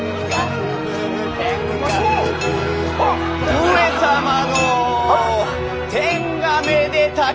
上様の天下めでたき